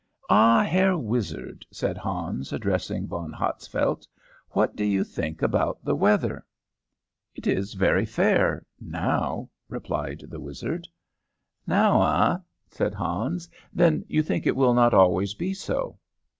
"Ah, Herr Wizard," said Hans, addressing Von Hatzfeldt, "what do you think about the weather?" "It is very fair now," replied the wizard. "Now, eh?" said Hans. "Then you think it will not always be so?"